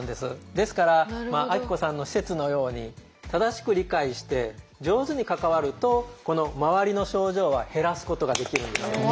ですからあきこさんの施設のように正しく理解して上手に関わるとこの周りの症状は減らすことができるんです。